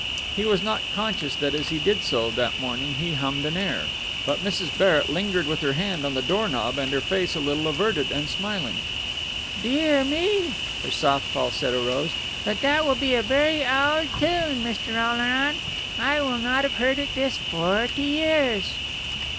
He was not conscious that as he did so that morning he hummed an air; but Mrs. Barrett lingered with her hand on the door knob and her face a little averted and smiling. "De ar me!" her soft falsetto rose. "But that will be a very o ald tune, Mr. Oleron! I will not have heard it this for ty years!"